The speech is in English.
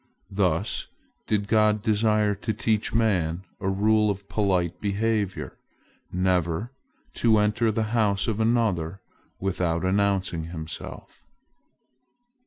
Thus did God desire to teach man a rule of polite behavior, never to enter the house of another without announcing himself.